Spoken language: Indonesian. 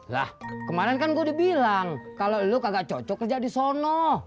lah kemarin kan gua dibilang kalo lu kagak cocok kerja di sono